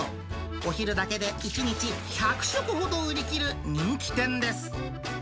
お昼だけで１日１００食ほど売りきる人気店です。